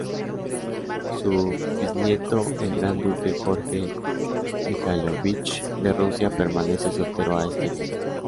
Su biznieto el Gran Duque Jorge Mijáilovich de Rusia permanece soltero a este día.